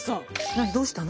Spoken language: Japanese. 何どうしたの？